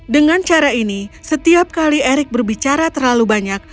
dengan cara ini setiap kali erick berbicara terlalu banyak